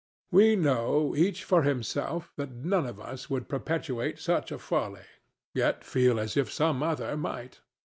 We know, each for himself, that none of us would perpetrate such a folly, yet feel as if some other might.